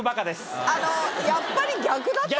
やっぱり逆だった。